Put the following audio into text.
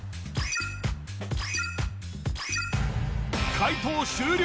解答終了